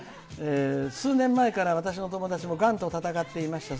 「数年前から私の友達もがんと闘っていました。